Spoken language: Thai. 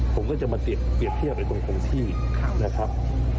ผมก็จะมาเปรียบเทียบในตรงที่นะครับ